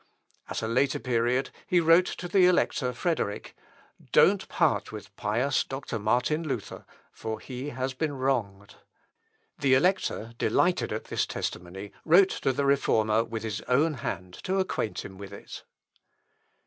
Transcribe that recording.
At a later period he wrote to the Elector Frederick, "Don't part with pious Dr. Martin Luther; for he has been wronged." The Elector delighted at this testimony, wrote the Reformer with his own hand to acquaint him with it.